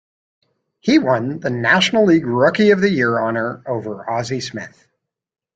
He won the National League Rookie of the Year honor over Ozzie Smith.